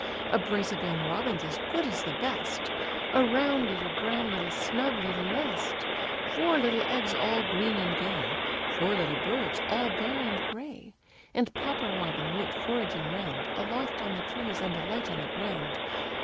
A brace of young robins as good as the best; A round little, brown little, snug little nest; Four little eggs all green and gay, Four little birds all bare and gray, And Papa Robin went foraging round, Aloft on the trees, and alight on the ground.